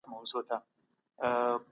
که انلاین صنف منظم وي، ګډوډي نه پېښېږي.